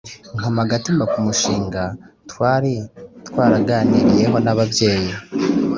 nkoma agatima ku mushinga twari twaraganiriyeho n’ababyeyi.